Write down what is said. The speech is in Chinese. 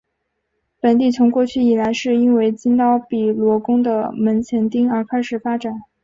本地从过去以来是因为金刀比罗宫的门前町而开始发展。